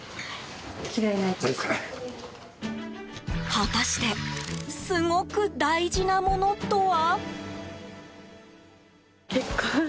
果たしてすごく大事なものとは？